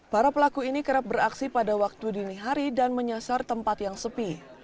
para pelaku ini kerap beraksi pada waktu dini hari dan menyasar tempat yang sepi